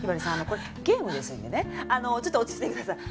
これゲームですんでねちょっと落ち着いてください。